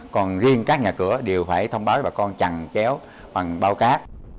còn riêng các nhà cửa đều phải thông báo cho bà con chẳng chéo bằng báo cát